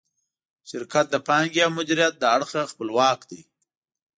شرکت د پانګې او مدیریت له اړخه خپلواک دی.